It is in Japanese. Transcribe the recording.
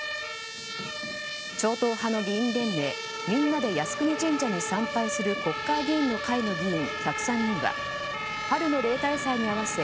超党派の議員連盟みんなで靖国神社に参拝する国会議員の会の議員１０３人は春の例大祭に合わせ